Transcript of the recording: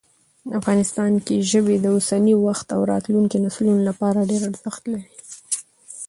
افغانستان کې ژبې د اوسني وخت او راتلونکي نسلونو لپاره ډېر ارزښت لري.